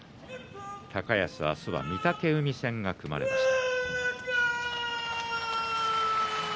高安は明日御嶽海戦が組まれました。